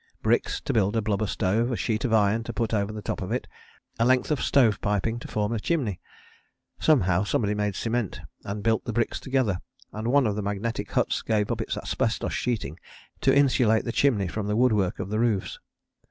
Bricks to build a blubber stove, a sheet of iron to put over the top of it, a length of stove piping to form a chimney. Somehow somebody made cement, and built the bricks together, and one of the magnetic huts gave up its asbestos sheeting to insulate the chimney from the woodwork of the roofs.